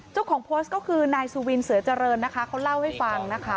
เจ้าของโพสต์ก็คือนายสุวินเสือเจริญนะคะเขาเล่าให้ฟังนะคะ